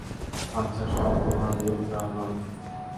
আচ্ছা, সব ভালুকরা নয়।